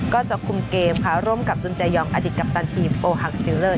ก็จะคุมเกมค่ะร่วมกับจุนเจยองอดีตกัปตันทีมโอฮังสติลเลอร์